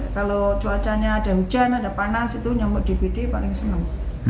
kalau cuacanya ada hujan ada panas itu nyamuk dpd paling senang